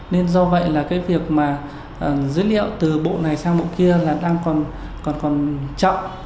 nên do vậy là cái việc mà dữ liệu từ bộ này sang bộ kia là đang còn chậm